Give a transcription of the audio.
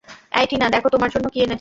এই টিনা, দেখো তোমার জন্য কি এনেছি।